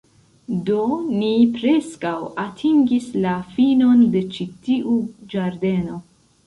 Do, ni preskaŭ atingis la finon de ĉi tiu ĝardeno